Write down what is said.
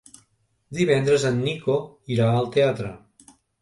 Divendres en Nico irà al teatre.